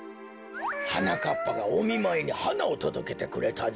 はなかっぱがおみまいにはなをとどけてくれたぞ。